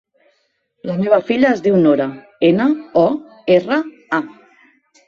La meva filla es diu Nora: ena, o, erra, a.